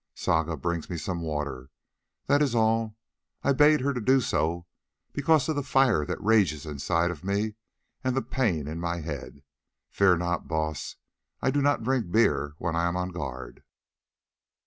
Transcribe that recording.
Saga brings me some water, that is all. I bade her do so because of the fire that rages inside me and the pain in my head. Fear not, Baas, I do not drink beer when I am on guard."